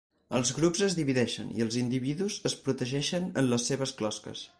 Els grups es divideixen i els individus es protegeixen en les seves closques.